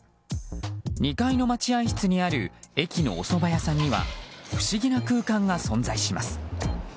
２階の待合室にある駅のおそば屋さんには不思議な空間が存在します。